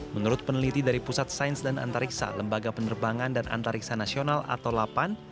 menurut peneliti dari pusat sains dan antariksa lembaga penerbangan dan antariksa nasional atau lapan